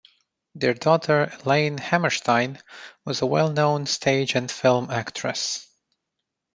Their daughter Elaine Hammerstein was a well-known stage and film actress.